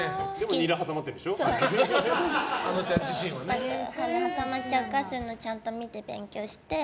ニラ挟まっちゃうからそういうのちゃんと見て勉強して。